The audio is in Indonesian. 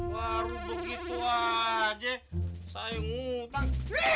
wah untuk itu aja saya ngutang